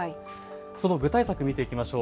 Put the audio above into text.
その具体策を見ていきましょう。